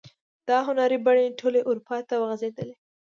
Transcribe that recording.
دا هنري بڼې ټولې اروپا ته وغزیدلې.